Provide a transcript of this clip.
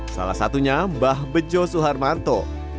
salah satunya mbah bejo suharmanto